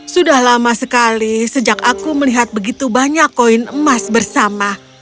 sudah lama sekali sejak aku melihat begitu banyak koin emas bersama